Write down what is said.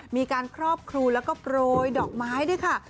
มีการครอบครูแล้วก็โปรยดอกไม้ด้วยค่ะ